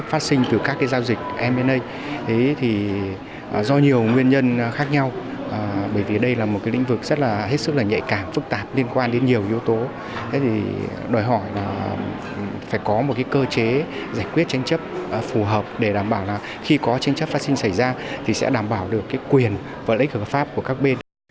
thế thì đòi hỏi là phải có một cơ chế giải quyết tranh chấp phù hợp để đảm bảo là khi có tranh chấp phát sinh xảy ra thì sẽ đảm bảo được quyền và lấy cửa pháp của các bên